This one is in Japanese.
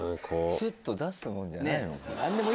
スッと出すもんじゃない？